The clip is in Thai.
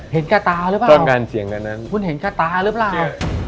เห็นกระตาหรือเปล่าคุณเห็นกระตาหรือเปล่าตอนการเสี่ยงกันนั้น